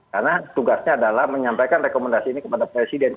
karena tugasnya adalah menyampaikan rekomendasi ini kepada presiden